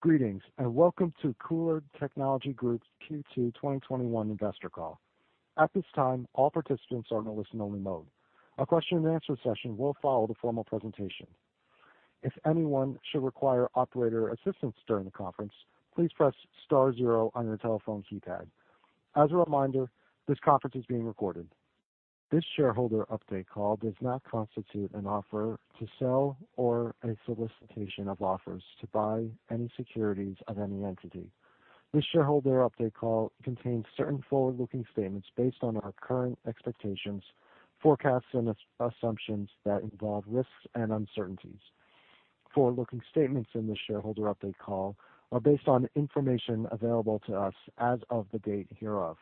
Greetings, and welcome to KULR Technology Group's Q2 2021 investor call. At this time, all participants are in listen-only mode. A question and answer session will follow the formal presentation. If anyone should require operator assistance during the conference, please press star zero on your telephone keypad. As a reminder, this conference is being recorded. This shareholder update call does not constitute an offer to sell or a solicitation of offers to buy any securities of any entity. This shareholder update call contains certain forward-looking statements based on our current expectations, forecasts, and assumptions that involve risks and uncertainties. Forward-looking statements in the shareholder update call are based on information available to us as of the date hereof.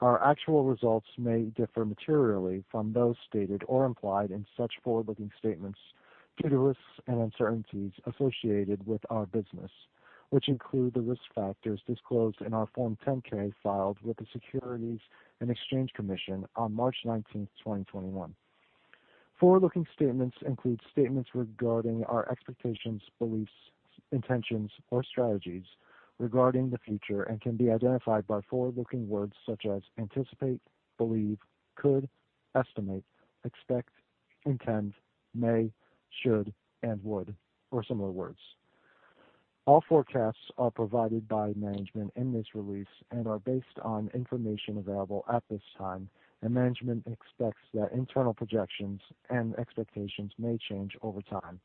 Our actual results may differ materially from those stated or implied in such forward-looking statements due to risks and uncertainties associated with our business, which include the risk factors disclosed in our Form 10-K filed with the Securities and Exchange Commission on March 19th, 2021. Forward-looking statements include statements regarding our expectations, beliefs, intentions, or strategies regarding the future, and can be identified by forward-looking words such as anticipate, believe, could, estimate, expect, intend, may, should, and would, or similar words. All forecasts are provided by management in this release and are based on information available at this time, and management expects that internal projections and expectations may change over time.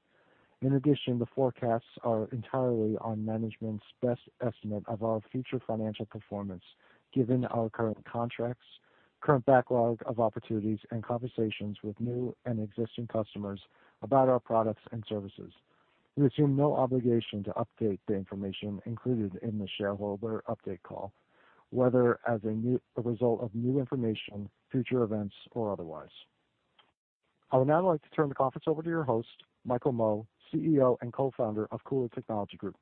In addition, the forecasts are entirely on management's best estimate of our future financial performance, given our current contracts, current backlog of opportunities, and conversations with new and existing customers about our products and services. We assume no obligation to update the information included in the shareholder update call, whether as a result of new information, future events, or otherwise. I would now like to turn the conference over to your host, Michael Mo, CEO and Co-founder of KULR Technology Group.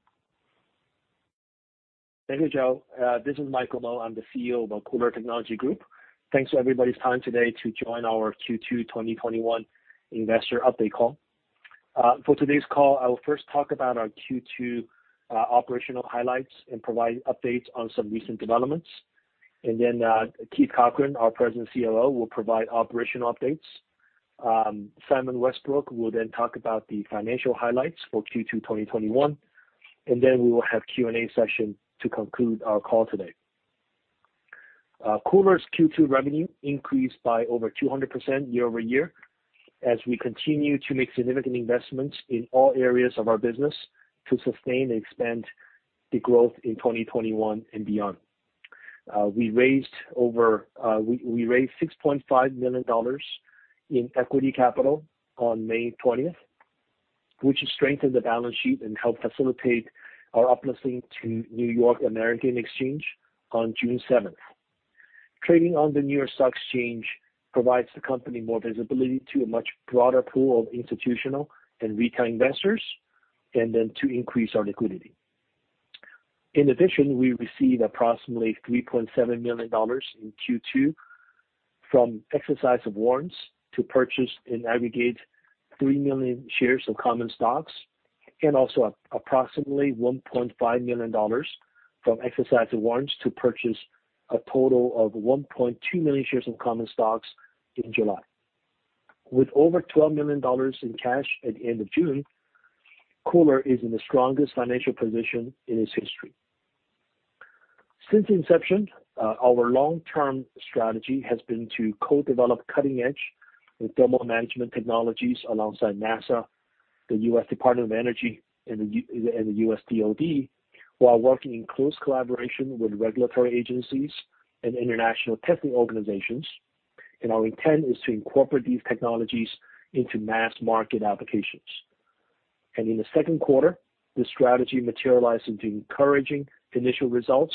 Thank you, Joe. This is Michael Mo. I'm the CEO of KULR Technology Group. Thanks for everybody's time today to join our Q2 2021 investor update call. For today's call, I will first talk about our Q2 operational highlights and provide updates on some recent developments. Keith Cochran, our President and COO, will provide operational updates. Simon Westbrook will then talk about the financial highlights for Q2 2021. We will have Q&A session to conclude our call today. KULR's Q2 revenue increased by over 200% year-over-year as we continue to make significant investments in all areas of our business to sustain and expand the growth in 2021 and beyond. We raised $6.5 million in equity capital on May 20th, which has strengthened the balance sheet and helped facilitate our uplisting to NYSE American on June 7th. Trading on the New York Stock Exchange provides the company more visibility to a much broader pool of institutional and retail investors, to increase our liquidity. In addition, we received approximately $3.7 million in Q2 from exercise of warrants to purchase an aggregate 3 million shares of common stocks, and also approximately $1.5 million from exercise of warrants to purchase a total of 1.2 million shares of common stocks in July. With over $12 million in cash at the end of June, KULR is in the strongest financial position in its history. Since inception, our long-term strategy has been to co-develop cutting-edge thermal management technologies alongside NASA, the U.S. Department of Energy, and the U.S. DoD, while working in close collaboration with regulatory agencies and international testing organizations. Our intent is to incorporate these technologies into mass market applications. In the second quarter, this strategy materialized into encouraging initial results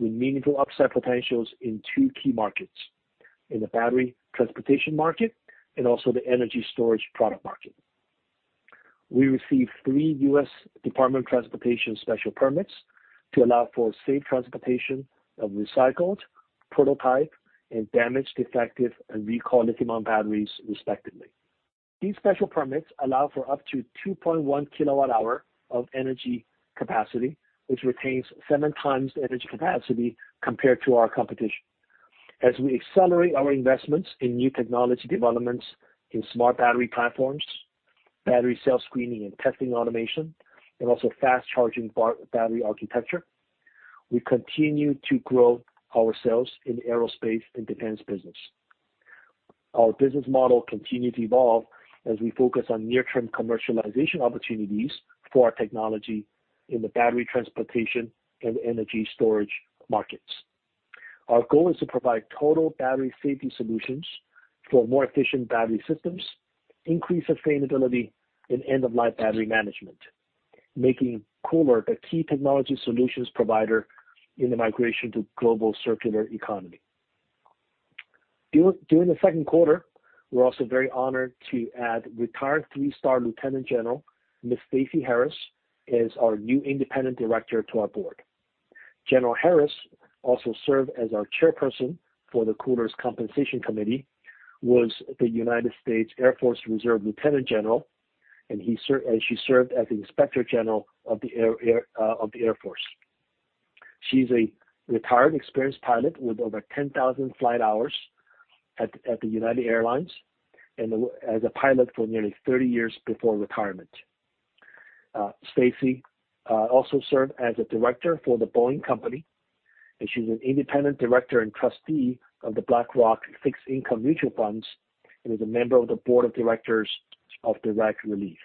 with meaningful upside potentials in two key markets, in the battery transportation market and also the energy storage product market. We received three U.S. Department of Transportation special permits to allow for safe transportation of recycled, prototype, and damaged, defective, and recalled lithium-ion batteries, respectively. These special permits allow for up to 2.1 kWh of energy capacity, which retains seven times the energy capacity compared to our competition. We accelerate our investments in new technology developments in smart battery platforms, battery cell screening and testing automation, and also fast-charging battery architecture, we continue to grow our sales in aerospace and defense business. Our business model continue to evolve as we focus on near-term commercialization opportunities for our technology in the battery transportation and energy storage markets. Our goal is to provide total battery safety solutions for more efficient battery systems, increase sustainability and end-of-life battery management, making KULR a key technology solutions provider in the migration to global circular economy. During the second quarter, we're also very honored to add retired three-star Lieutenant General Ms. Stayce D. Harris as our new independent director to our board. General Harris also served as our chairperson for the KULR's Compensation Committee, was the United States Air Force Reserve Lieutenant General, and she served as the Inspector General of the Air Force. She's a retired experienced pilot with over 10,000 flight hours at the United Airlines, and as a pilot for nearly 30 years before retirement. Stayce D. Harris also served as a director for The Boeing Company, and she's an independent director and trustee of the BlackRock Fixed Income Mutual Funds and is a member of the Board of Directors of Direct Relief.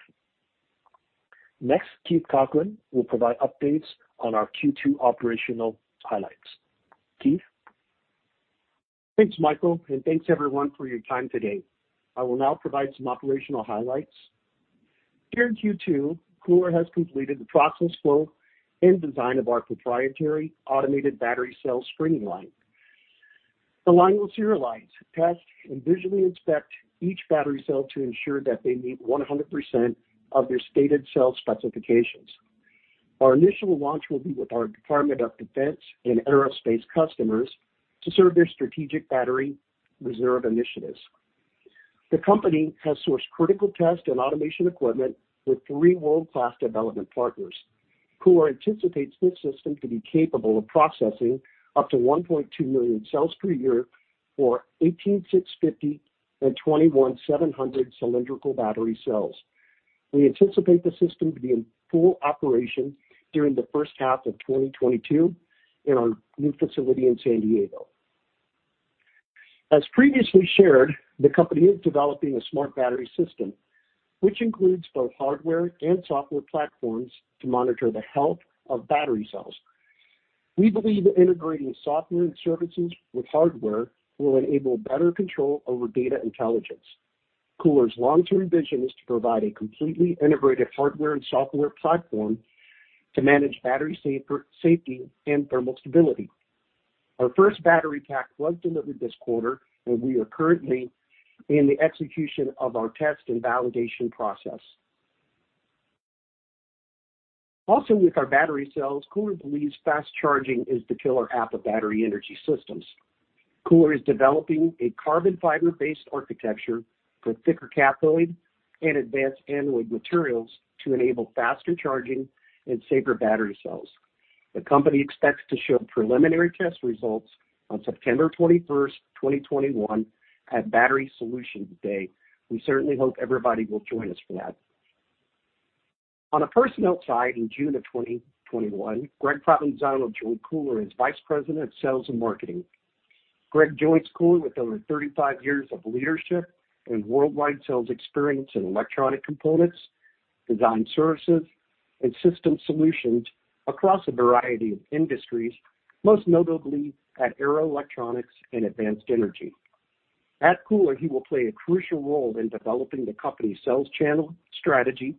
Next, Keith Cochran will provide updates on our Q2 operational highlights. Keith? Thanks, Michael, and thanks everyone for your time today. I will now provide some operational highlights. During Q2, KULR has completed the process flow and design of our proprietary automated battery cell screening line. The line will serialize, test, and visually inspect each battery cell to ensure that they meet 100% of their stated cell specifications. Our initial launch will be with our Department of Defense and aerospace customers to serve their strategic battery reserve initiatives. The company has sourced critical test and automation equipment with three world-class development partners. KULR anticipates this system to be capable of processing up to 1.2 million cells per year for 18650 and 21700 cylindrical battery cells. We anticipate the system to be in full operation during the first half of 2022 in our new facility in San Diego. As previously shared, the company is developing a smart battery system, which includes both hardware and software platforms to monitor the health of battery cells. We believe integrating software and services with hardware will enable better control over data intelligence. KULR's long-term vision is to provide a completely integrated hardware and software platform to manage battery safety and thermal stability. Our first battery pack was delivered this quarter. We are currently in the execution of our test and validation process. Also with our battery cells, KULR believes fast charging is the killer app of battery energy systems. KULR is developing a carbon fiber-based architecture with thicker cathode and advanced anode materials to enable faster charging and safer battery cells. The company expects to show preliminary test results on September 21st, 2021, at Battery Solutions Day. We certainly hope everybody will join us for that. On a personnel side, in June of 2021, Greg Provenzano joined KULR as Vice President of Sales and Marketing. Greg joins KULR with over 35 years of leadership and worldwide sales experience in electronic components, design services, and system solutions across a variety of industries, most notably at Arrow Electronics and Advanced Energy. At KULR, he will play a crucial role in developing the company's sales channel strategy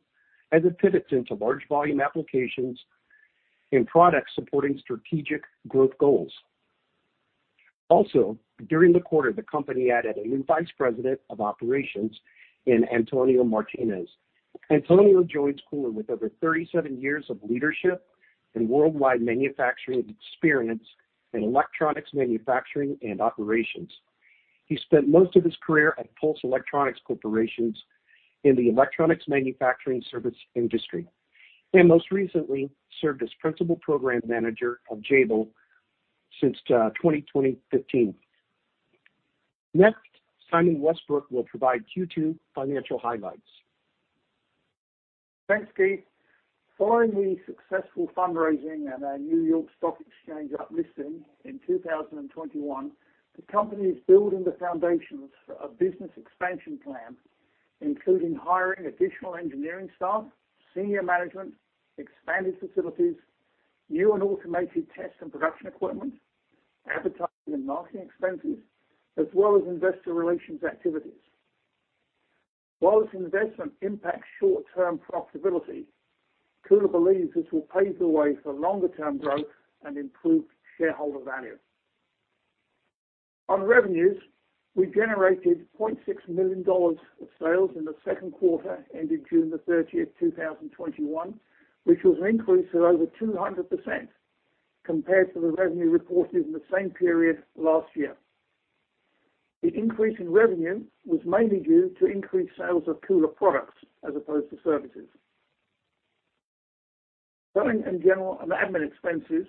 as it pivots into large volume applications and products supporting strategic growth goals. Also, during the quarter, the company added a new Vice President of Operations in Antonio Martinez. Antonio joins KULR with over 37 years of leadership and worldwide manufacturing experience in electronics manufacturing and operations. He spent most of his career at Pulse Electronics Corporation in the electronics manufacturing service industry, and most recently served as Principal Program Manager of Jabil since 2015. Next, Simon Westbrook will provide Q2 financial highlights. Thanks, Keith. Following the successful fundraising and our New York Stock Exchange uplisting in 2021, the company is building the foundations for a business expansion plan, including hiring additional engineering staff, senior management, expanded facilities, new and automated test and production equipment, advertising and marketing expenses, as well as investor relations activities. While this investment impacts short-term profitability, KULR believes this will pave the way for longer-term growth and improved shareholder value. On revenues, we generated $0.6 million of sales in the second quarter ending June the 30th, 2021, which was an increase of over 200% compared to the revenue reported in the same period last year. The increase in revenue was mainly due to increased sales of KULR products as opposed to services. Selling and general and admin expenses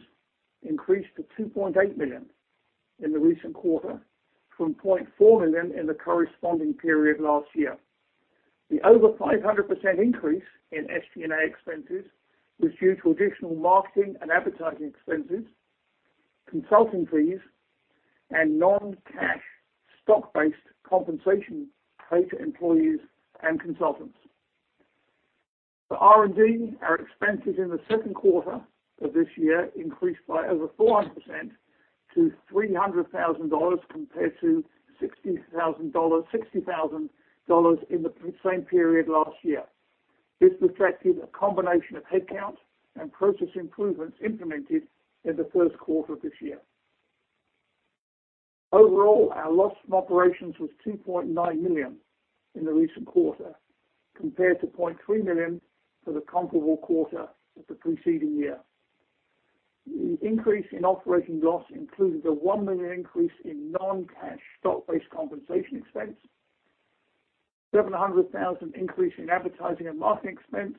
increased to $2.8 million in the recent quarter from $0.4 million in the corresponding period last year. The over 500% increase in SG&A expenses was due to additional marketing and advertising expenses, consulting fees, and non-cash stock-based compensation paid to employees and consultants. For R&D, our expenses in the second quarter of this year increased by over 400% to $300,000 compared to $60,000 in the same period last year. This reflected a combination of headcount and process improvements implemented in the first quarter of this year. Overall, our loss from operations was $2.9 million in the recent quarter, compared to $0.3 million for the comparable quarter of the preceding year. The increase in operating loss included a $1 million increase in non-cash stock-based compensation expense, $700,000 increase in advertising and marketing expense,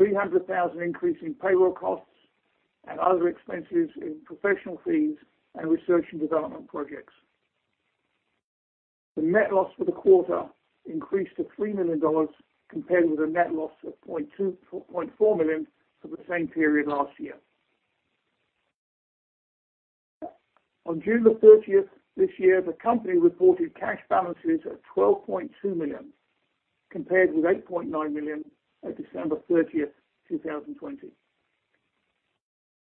$300,000 increase in payroll costs, and other expenses in professional fees and research and development projects. The net loss for the quarter increased to $3 million, compared with a net loss of $0.4 million for the same period last year. On June 30th this year, the company reported cash balances of $12.2 million, compared with $8.9 million at December 30th, 2020.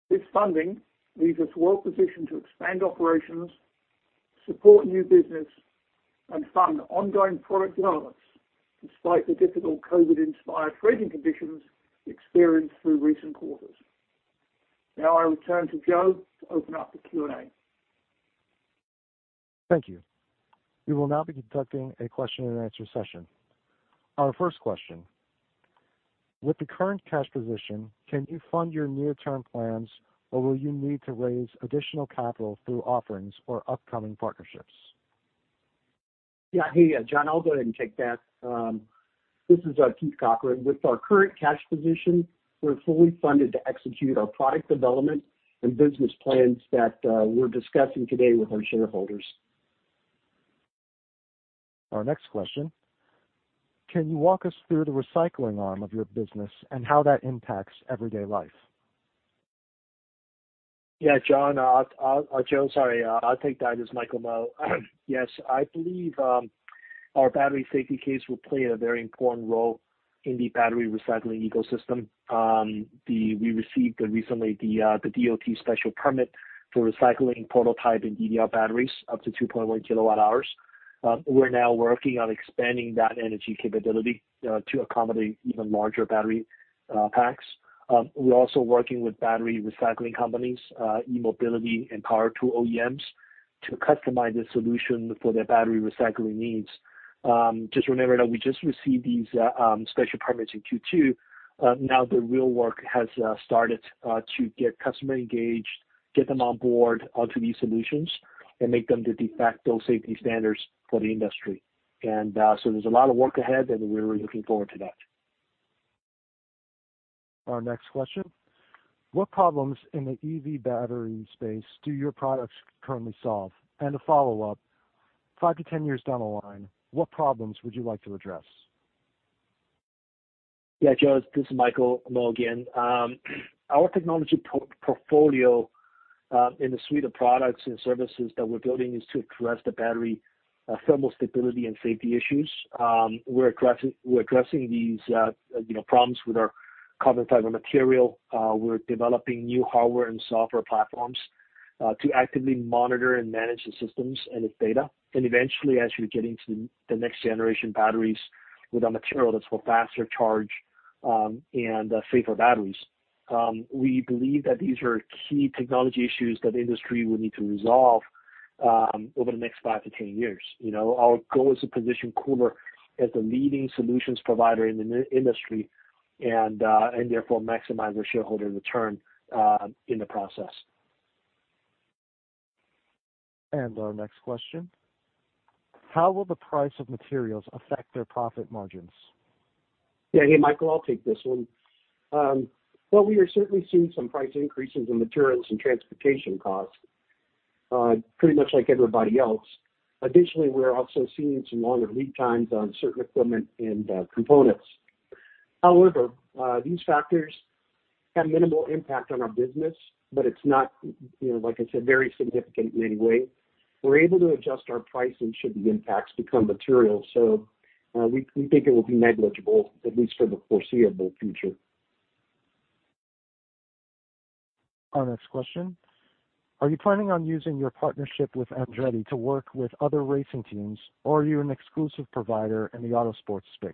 This funding leaves us well-positioned to expand operations, support new business, and fund ongoing product developments, despite the difficult COVID-inspired trading conditions experienced through recent quarters. Now I will turn to Joe to open up the Q&A. Thank you. We will now be conducting a question and answer session. Our first question: With the current cash position, can you fund your near-term plans or will you need to raise additional capital through offerings or upcoming partnerships? Yeah. Hey, Joe, I'll go ahead and take that. This is Keith Cochran. With our current cash position, we're fully funded to execute our product development and business plans that we're discussing today with our shareholders. Our next question: Can you walk us through the recycling arm of your business and how that impacts everyday life? Yeah, John. Joe, sorry. I'll take that. This is Michael Mo. Yes, I believe our battery safety case will play a very important role in the battery recycling ecosystem. We received recently the DOT special permit for recycling prototype and DDR batteries up to 2.1 kWh. We're now working on expanding that energy capability to accommodate even larger battery packs. We're also working with battery recycling companies, eMobility and power tool OEMs to customize a solution for their battery recycling needs. Just remember that we just received these special permits in Q2. Now the real work has started to get customer engaged, get them on board onto these solutions, and make them the de facto safety standards for the industry. There's a lot of work ahead, and we're looking forward to that. Our next question: What problems in the EV battery space do your products currently solve? A follow-up: Five to 10 years down the line, what problems would you like to address? Joe, this is Michael Mo again. Our technology portfolio, in the suite of products and services that we're building, is to address the battery thermal stability and safety issues. We're addressing these problems with our carbon fiber material. We're developing new hardware and software platforms to actively monitor and manage the systems and its data, and eventually, as you get into the next generation batteries with a material that's for faster charge and safer batteries. We believe that these are key technology issues that the industry will need to resolve over the next 5-10 years. Our goal is to position KULR as the leading solutions provider in the industry and therefore maximize our shareholder return in the process. Our next question. How will the price of materials affect their profit margins? Yeah. Hey, Michael, I'll take this one. Well, we are certainly seeing some price increases in materials and transportation costs, pretty much like everybody else. Additionally, we're also seeing some longer lead times on certain equipment and components. However, these factors have minimal impact on our business, but it's not, like I said, very significant in any way. We're able to adjust our pricing should the impacts become material. We think it will be negligible, at least for the foreseeable future. Our next question: Are you planning on using your partnership with Andretti to work with other racing teams, or are you an exclusive provider in the auto sports space?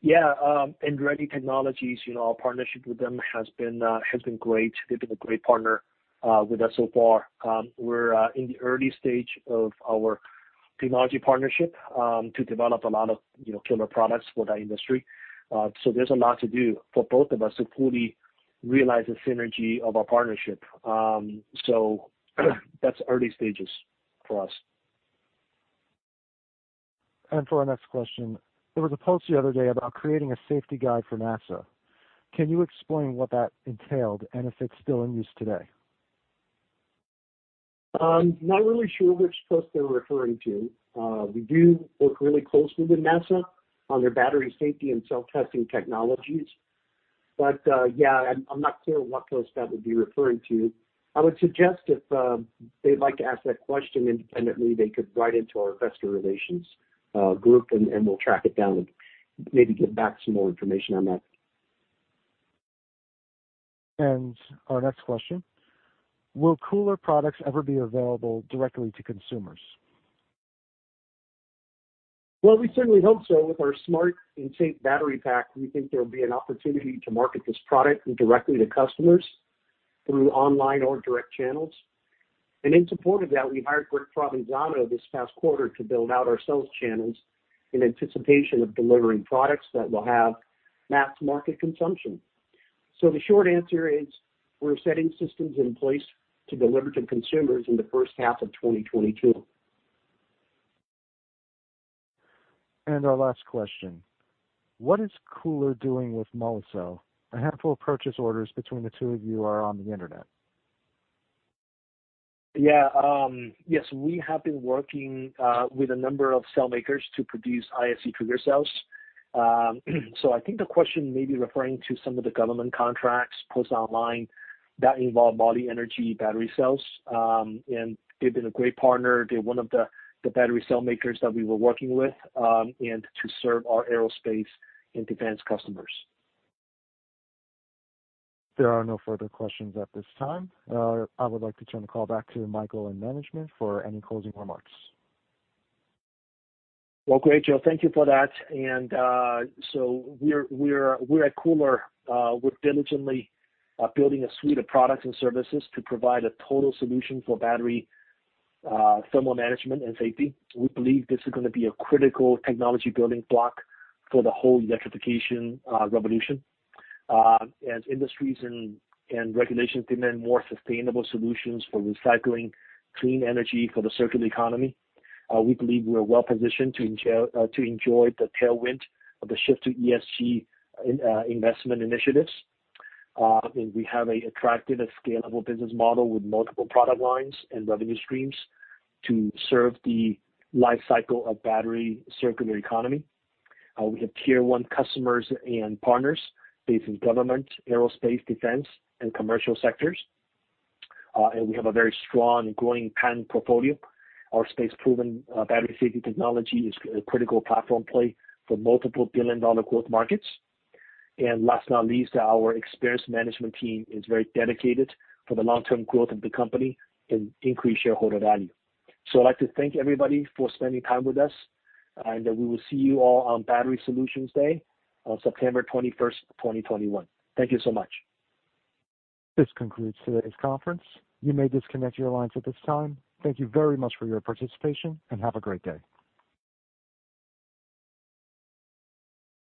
Yeah. Andretti Technologies, our partnership with them has been great. They've been a great partner with us so far. We're in the early stage of our technology partnership to develop a lot of killer products for that industry. There's a lot to do for both of us to fully realize the synergy of our partnership. That's early stages for us. For our next question: There was a post the other day about creating a safety guide for NASA. Can you explain what that entailed and if it's still in use today? I'm not really sure which post they're referring to. We do work really closely with NASA on their battery safety and self-testing technologies. Yeah, I'm not clear what post that would be referring to. I would suggest if they'd like to ask that question independently, they could write into our investor relations group and we'll track it down and maybe get back some more information on that. Our next question: Will KULR products ever be available directly to consumers? Well, we certainly hope so. With our smart and safe battery pack, we think there will be an opportunity to market this product directly to customers through online or direct channels. In support of that, we hired Greg Provenzano this past quarter to build out our sales channels in anticipation of delivering products that will have mass market consumption. The short answer is, we're setting systems in place to deliver to consumers in the first half of 2022. Our last question. What is KULR doing with Molicel? I have two purchase orders between the two of you are on the internet. Yeah. Yes, we have been working with a number of cell makers to produce ISC trigger cells. I think the question may be referring to some of the government contracts posted online that involve Moli Energy battery cells. They've been a great partner. They're one of the battery cell makers that we were working with, and to serve our aerospace and defense customers. There are no further questions at this time. I would like to turn the call back to Michael and management for any closing remarks. Well, great, Joe, thank you for that. We at KULR, we're diligently building a suite of products and services to provide a total solution for battery thermal management and safety. We believe this is going to be a critical technology building block for the whole electrification revolution. As industries and regulations demand more sustainable solutions for recycling clean energy for the circular economy, we believe we're well-positioned to enjoy the tailwind of the shift to ESG investment initiatives. We have attracted a scalable business model with multiple product lines and revenue streams to serve the life cycle of battery circular economy. We have tier 1 customers and partners based in government, aerospace, defense, and commercial sectors. We have a very strong growing patent portfolio. Our space-proven battery safety technology is a critical platform play for multiple billion-dollar growth markets. Last but not least, our experienced management team is very dedicated for the long-term growth of the company and increased shareholder value. I'd like to thank everybody for spending time with us, and we will see you all on Battery Solutions Day on September 21st, 2021. Thank you so much. This concludes today's conference. You may disconnect your lines at this time. Thank you very much for your participation, and have a great day.